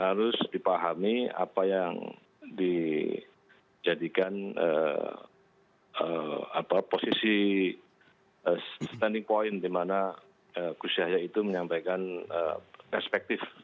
harus dipahami apa yang dijadikan posisi standing point di mana gus yahya itu menyampaikan perspektif